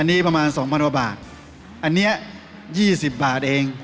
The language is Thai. อันนี้ประมาณ๒๐๐๐บาทอันนี้๒๐บาทเอง